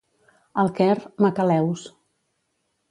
Al Quer, macaleus.